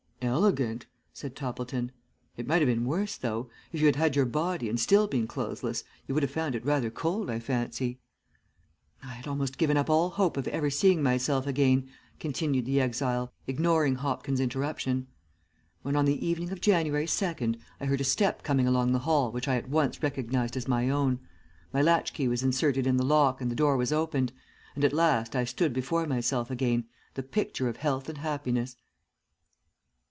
"Elegant!" said Toppleton. "It might have been worse though. If you had had your body and still been clothesless you would have found it rather cold, I fancy." "I had almost given up all hope of ever seeing myself again," continued the exile, ignoring Hopkins' interruption, "when on the evening of January second I heard a step coming along the hall which I at once recognized as my own, my latch key was inserted in the lock and the door was opened, and at last I stood before myself again, the picture of health and happiness.